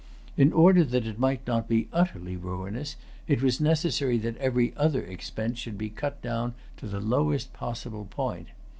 In order that it might not be utterly ruinous, it was necessary that every other expense should be cut down to the lowest possible point.